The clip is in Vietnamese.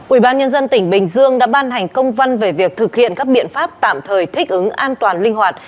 ủy ban nhân dân tỉnh bình dương đã ban hành công văn về việc thực hiện các biện pháp tạm thời thích ứng an toàn linh hoạt